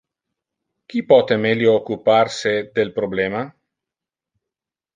Qui pote melio occupar se del problema?